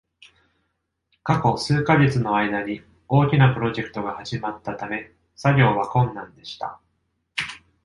過去数か月の間に、大きなプロジェクトが始まったため、作業は困難でした。